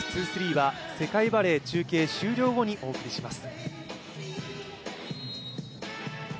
「ｎｅｗｓ２３」は世界バレー中継終了後にお送りします。